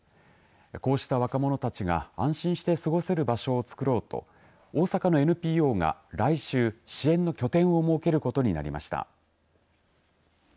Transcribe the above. こうした若者たちが安心して過ごせる場所をつくろうと大阪のＮＰＯが来週支援の拠点を設けることになりました。